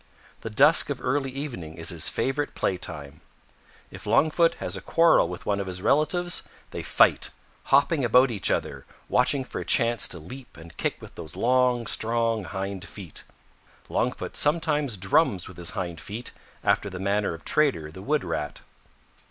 The dusk of early evening is his favorite playtime. If Longfoot has a quarrel with one of his relatives they fight, hopping about each other, watching for a chance to leap and kick with those long, strong hind feet. Longfoot sometimes drums with his hind feet after the manner of Trader the Wood Rat.